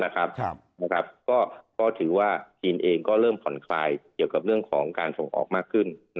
ก็ถือว่าจีนเองก็เริ่มผ่อนคลายเกี่ยวกับเรื่องของการส่งออกมากขึ้น